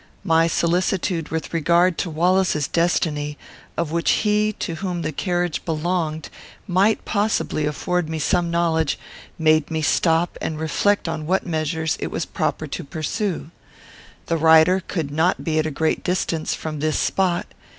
My solicitude with regard to Wallace's destiny, of which he to whom the carriage belonged might possibly afford me some knowledge, made me stop and reflect on what measures it was proper to pursue. The rider could not be at a great distance from this spot.